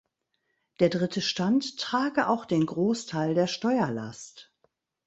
Der Dritte Stand trage auch den Großteil der Steuerlast.